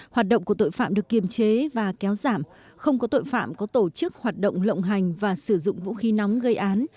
hoạt động của tội phạm được kiềm chế và kéo giảm không có tội phạm có tổ chức hoạt động lộng hành và sử dụng vũ khí nóng gây án